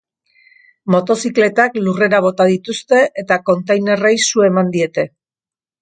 Motozikletak lurrera bota dituzte eta kontainerrei su eman diete.